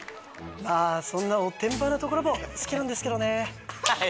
まぁそんなおてんばなところも好きなんですけどねぇ。